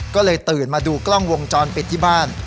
ก็เลยตื่นมาดูกล้องวงจรปิดที่บ้าน